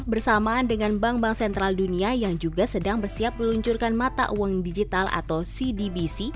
bersamaan dengan bank bank sentral dunia yang juga sedang bersiap meluncurkan mata uang digital atau cdbc